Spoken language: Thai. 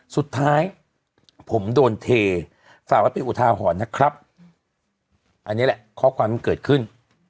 สุดท้ายผมโดนเทฝากไว้เป็นอุทาหรณ์นะครับอันนี้แหละข้อความมันเกิดขึ้น